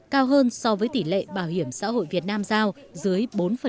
cao hơn so với tỷ lệ bảo hiểm xã hội việt nam giao dưới bốn